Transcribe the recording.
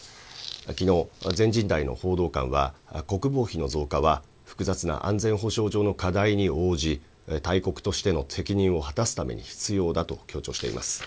きのう、全人代の報道官は、国防費の増加は複雑な安全保障上の課題に応じ、大国としての責任を果たすために必要だと強調しています。